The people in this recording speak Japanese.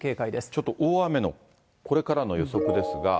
ちょっと大雨のこれからの予測ですが。